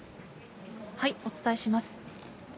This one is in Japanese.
お伝えします。